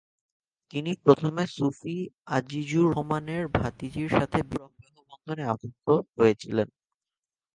তিনি প্রথমে সুফি আজিজুর রহমানের ভাতিজির সাথে বিবাহ বন্ধনে আবদ্ধ হয়েছিলেন।